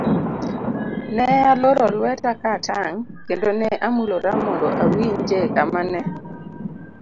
Ne aloro lweta ka atang' kendo ne amulora mondo awinje kama ne